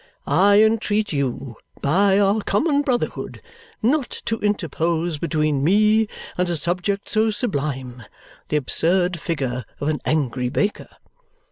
I entreat you, by our common brotherhood, not to interpose between me and a subject so sublime, the absurd figure of an angry baker!'